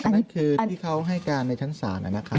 นั่นคือที่เขาให้การในชั้นศาลนะครับ